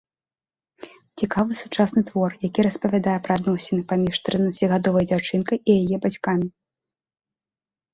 Цікавы сучасны твор, які распавядае пра адносіны паміж трынаццацігадовай дзяўчынкай і яе бацькамі.